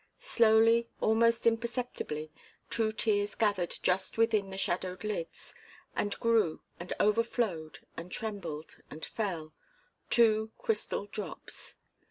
Slowly, almost imperceptibly, two tears gathered just within the shadowed lids, and grew and overflowed and trembled and fell two crystal drops.